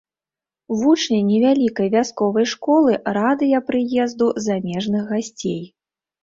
Вучні невялікай вясковай школы радыя прыезду замежных гасцей.